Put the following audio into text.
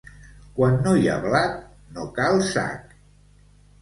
Quan no hi ha blat, no cal sac.